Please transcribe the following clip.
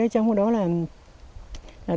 trong cuộc đó là